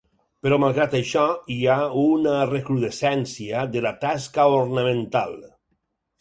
Però malgrat això hi ha una recrudescència de la tasca ornamental.